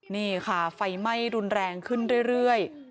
นี่ค่ะไฟไหม้รุนแรงขึ้นเรื่อย